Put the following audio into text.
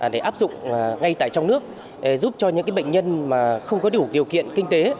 để áp dụng ngay tại trong nước giúp cho những bệnh nhân mà không có đủ điều kiện kinh tế